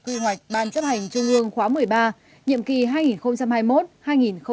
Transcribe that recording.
quy hoạch ban chấp hành trung ương khóa một mươi ba